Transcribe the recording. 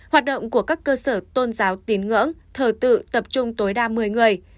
hoạt động của các cơ sở tôn giáo tín ngưỡng thờ tự tập trung tối đa một mươi người